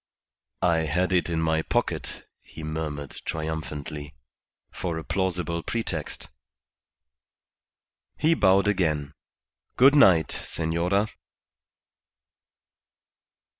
"I had it in my pocket," he murmured, triumphantly, "for a plausible pretext." He bowed again. "Good night, senora."